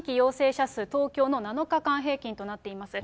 下が新規陽性者数、東京の７日間平均となっています。